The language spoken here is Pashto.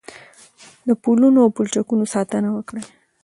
د پلونو او پلچکونو ساتنه وکړئ.